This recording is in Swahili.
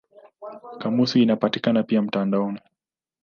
Kamusi inapatikana pia mtandaoni.